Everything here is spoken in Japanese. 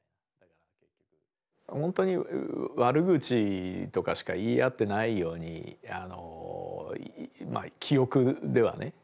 本当に悪口とかしか言い合ってないように記憶ではね。